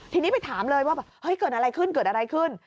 ทีนี้ไปถามเลยว่าแบบเฮ้ยเกิดอะไรขึ้นเกิดอะไรขึ้น